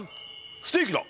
ステーキだ！